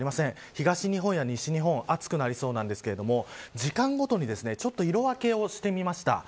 東日本や西日本も暑くなりそうなんですが時間ごとに、ちょっと色分けをしてみました。